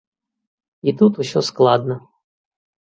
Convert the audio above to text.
І тут усё складна.